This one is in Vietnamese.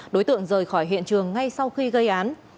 đối tượng rời khỏi hiện trường ngay sau khi gây án